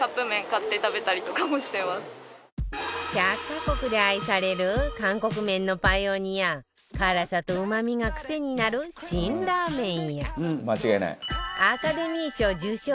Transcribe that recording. １００カ国で愛される韓国麺のパイオニア辛さとうまみがクセになる辛ラーメンやアカデミー賞